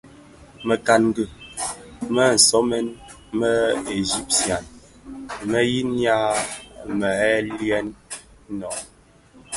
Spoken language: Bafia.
Mëkangi më somèn më Egyptien mo yinnya mëdhèliyèn no?